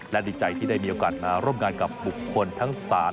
และดีใจที่ได้มีโอกาสมาร่วมงานกับบุคคลทั้ง๓